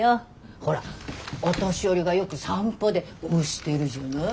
ほらお年寄りがよく散歩で押してるじゃない？